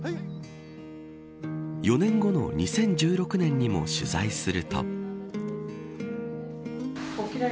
４年後の２０１６年にも取材すると。